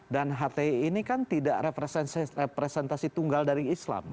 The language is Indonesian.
dan hti ini kan tidak representasi tunggal dari islam